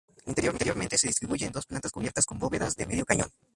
Interiormente se distribuye en dos plantas cubiertas con bóvedas de medio cañón.